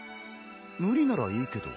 無理ならいいけど。